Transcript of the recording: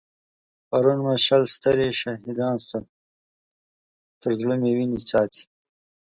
پرون مو شل سترې شهيدان شول؛ تر زړه مې وينې څاڅي.